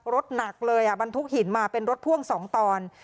รถหนักเลยอ่ะบรรทุกหินมาเป็นรถพ่วงสองตอน